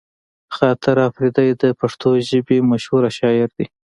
خاطر اپريدی د پښتو ژبې مشهوره شاعر دی